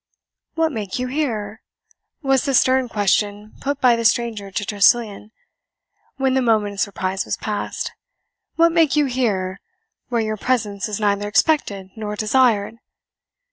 "What make you here?" was the stern question put by the stranger to Tressilian, when the moment of surprise was past "what make you here, where your presence is neither expected nor desired?"